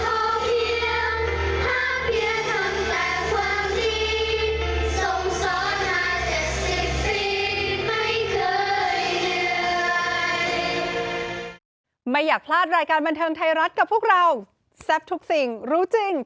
หาทิ้งน้ำก้อนจะลาเราไปไกลความรักเราคงอยู่คู่กันไปในหัวใจคงอยู่คู่เชิญชม